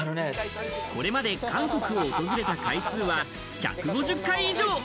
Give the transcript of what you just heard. これまで韓国を訪れた回数は１５０回以上。